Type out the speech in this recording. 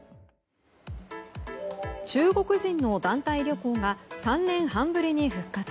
中国人の団体旅行が３年半ぶりに復活。